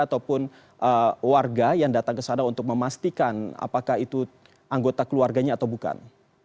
ataupun warga yang datang ke sana untuk memastikan apakah itu anggota keluarganya atau bukan